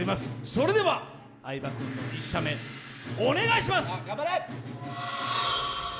それでは相葉君の１射目、お願いします。